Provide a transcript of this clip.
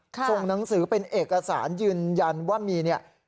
ส่งหนังสือเป็นเอกสารยืนยันว่ามีเนี่ย